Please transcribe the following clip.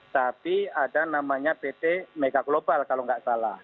tapi ada namanya pt megaglobal kalau nggak salah